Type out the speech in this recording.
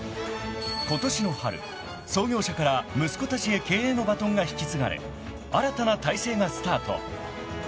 ［ことしの春創業者から息子たちへ経営のバトンが引き継がれ新たな体制がスタート］